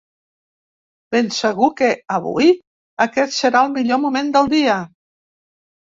Ben segur que, avui, aquest serà el millor moment del dia.